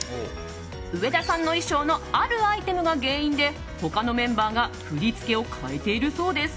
上田さんの衣装のあるアイテムが原因で他のメンバーが振り付けを変えているそうです。